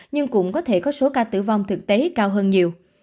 nhưng cũng có thể có số ca tử vong thực tế cao hơn nhiều